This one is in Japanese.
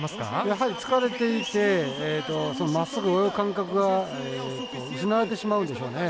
やはり疲れていてまっすぐ泳ぐ感覚が失われてしまうんでしょうね。